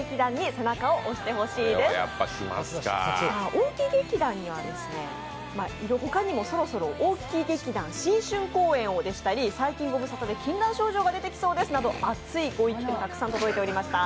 大木劇団には、ほかにもそろそろ大木劇団春公演をでしたり、最近ご無沙汰で禁断症状が出てきそうですなど熱いご意見、たくさん届いておりました。